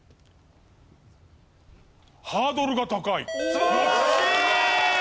素晴らしい！